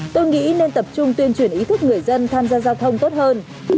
tôi nghĩ nên tập trung tuyên truyền ý thức người dân tham gia giao thông tốt hơn